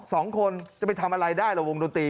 สองคนไปทำอะไรได้เหรอวงดนตรี